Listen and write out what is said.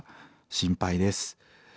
心配です。